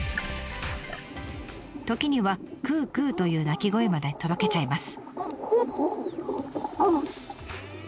時には「クークー」という鳴き声まで届けちゃいます。